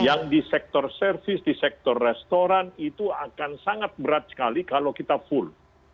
yang di sektor servis di sektor restoran itu akan sangat berat sekali kalau kita full